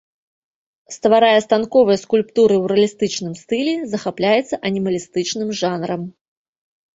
Стварае станковыя скульптуры ў рэалістычным стылі, захапляецца анімалістычным жанрам.